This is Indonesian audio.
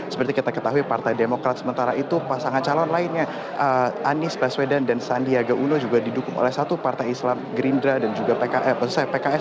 seperti kita ketahui partai demokrat sementara itu pasangan calon lainnya anies baswedan dan sandiaga uno juga didukung oleh satu partai islam gerindra dan juga pks